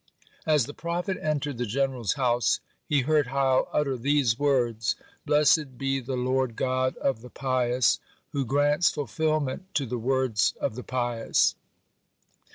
As the prophet entered the general's house, he heard Hiel utter these words: "Blessed be the Lord God of the pious, who grants fulfilment to the words of the pious."